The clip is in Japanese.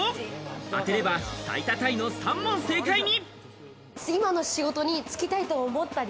当てれば最多タイの３問正解に。